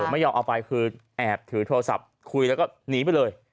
ไม่ยอมเอาไปคือแอบถือโทรศัพท์คุยแล้วก็หนีไปเลย